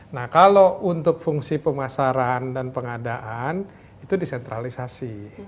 nah kalau untuk fungsi pemasaran dan pengadaan itu disentralisasi